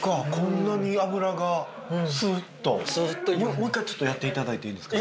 もう一回ちょっとやって頂いていいですか？